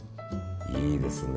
いいですね。